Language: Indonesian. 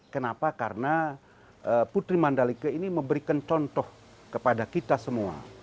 kenapa karena putri mandalika ini memberikan contoh kepada kita semua